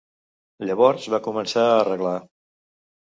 Llavors va començar a arreglar.